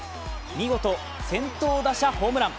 見事、先頭打者ホームラン。